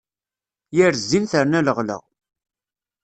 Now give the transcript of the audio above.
Yir zzin terna leɣla.